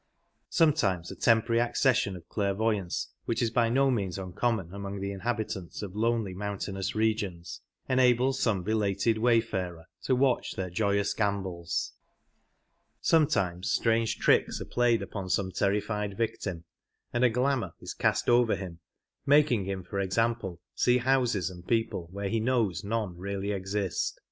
Sometimes a temporary accession of clairvoyance, which, is by no means uncommon among the inhabitants of lonely mountainous regions, enables some belated wayfarer to 85 watch their joyous gambols; sometimes strange tricks are played upon some terrified victim, and a glamour is cast over him, making him, for example, see houses and people where he knows none really exist.